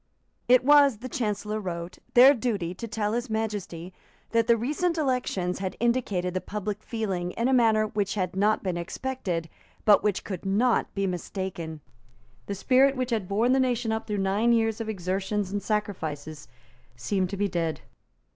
It was, the Chancellor wrote, their duty to tell His Majesty that the recent elections had indicated the public feeling in a manner which had not been expected, but which could not be mistaken. The spirit which had borne the nation up through nine years of exertions and sacrifices seemed to be dead.